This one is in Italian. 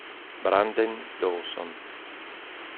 Branden Dawson